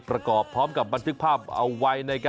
ประกอบพร้อมกับบันทึกภาพเอาไว้